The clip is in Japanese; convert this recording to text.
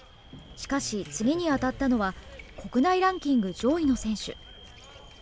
しかし、次に当たったのは国内ランキング上位の選手。